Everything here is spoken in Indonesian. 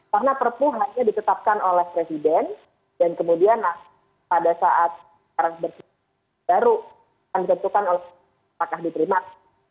karena prp hanya ditetapkan oleh presiden dan kemudian pada saat sekarang baru akan ditentukan oleh pak ahli terimak